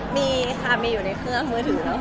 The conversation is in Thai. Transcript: มีค่ะมีอยู่ในเครื่องมือถือเนอะ